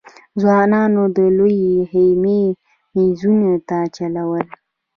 ځوانانو د لويې خېمې مېزونو ته چلول.